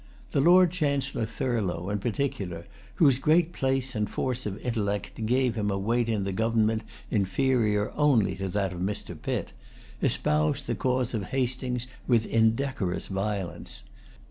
The Lord Chancellor Thurlow, in particular, whose great place and force of intellect gave him a weight in the government inferior only to that of Mr. Pitt, espoused the cause of Hastings with indecorous violence.